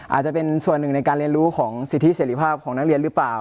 อาจจะเป็นส่วนหนึ่งในการเรียนรู้ของสิทธิเสรีภาพของนักเรียนหรือเปล่า